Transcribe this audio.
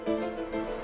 nih ini udah gampang